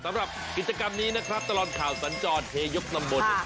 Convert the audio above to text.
สำหรับกิจกรรมนี้นะครับตลอดข่าวสัญจรเฮยกตำบลเนี่ย